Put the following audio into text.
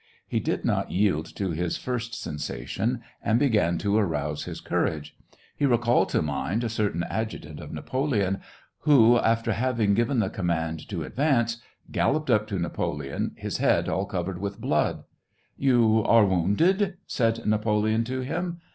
He did not yield to his first sensation, and began to arouse his courage ; he recalled to mind a certain adjutant of Napoleon, who, after having given the command to advance, galloped up to Napoleon, his head all covered with blood. "You are wounded. *" said Napoleon to him.